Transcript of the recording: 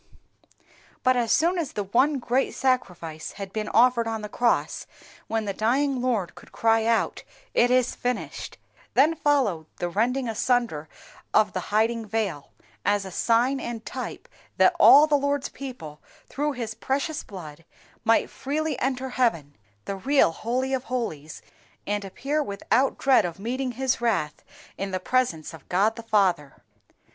But as soon as the One great Sacrifice had been offered on the cross, when the dying Lord could cry out 'IT IS FINISHED,' then followed the rending asunder of the hiding veil, as a sign and type that all the Lord's people, through His precious blood, might freely enter heaven, the real Holy of holies, and appear without dread of meeting His wrath in the presence of God the Father."